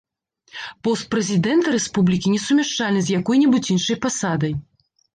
Пост прэзідэнта рэспублікі несумяшчальны з якой-небудзь іншай пасадай.